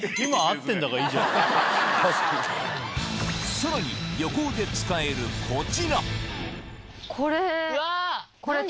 さらに旅行で使えるこちらうわ！